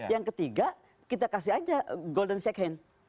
yang ketiga kita kasih aja golden check hand